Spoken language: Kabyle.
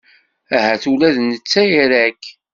Ahat ula d netta ira-k.